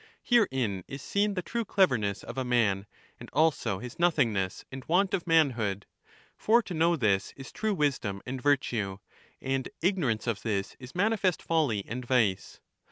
Herein is seen the true cleverness of a man, and also his nothingness and want of manhood. For to know this is true wisdom and virtue, and ignorance of this is manifest folly and vice.